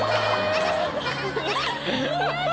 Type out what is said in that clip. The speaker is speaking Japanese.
やだ。